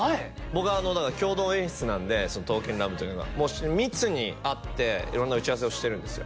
僕だから共同演出なんでその「刀剣乱舞」というのがもう密に会って色んな打ち合わせをしてるんですよ